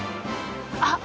あっ。